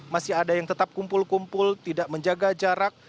masih ada yang tetap kumpul kumpul tidak menjaga jarak